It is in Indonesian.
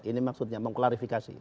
ini maksudnya mengklarifikasi